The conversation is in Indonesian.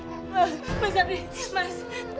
mas mas ardi mas